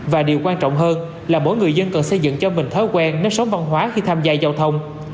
và điều quan trọng hơn là mỗi người dân cần xây dựng cho mình thói quen nếp sống văn hóa khi tham gia giao thông